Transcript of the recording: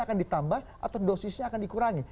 akan ditambah atau dosisnya akan dikurangi